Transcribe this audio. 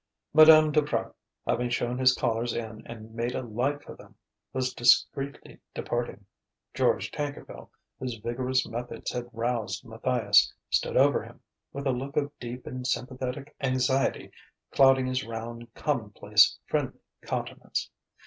Madame Duprat, having shown his callers in and made a light for them, was discreetly departing. George Tankerville, whose vigorous methods had roused Matthias, stood over him, with a look of deep and sympathetic anxiety clouding his round, commonplace, friendly countenance.